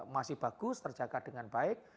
masih bagus terjaga dengan baik